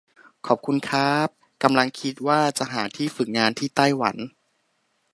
ขอบคุณค้าบ กำลังคิดว่าจะหาที่ฝึกงานที่ไต้หวัน